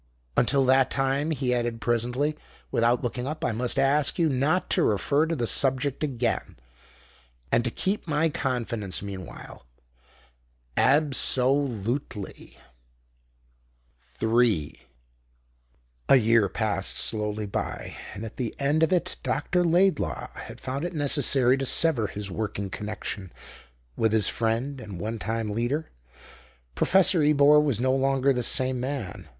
"Until that time," he added presently, without looking up, "I must ask you not to refer to the subject again and to keep my confidence meanwhile ab so lute ly." 3 A year passed slowly by, and at the end of it Dr. Laidlaw had found it necessary to sever his working connexion with his friend and one time leader. Professor Ebor was no longer the same man.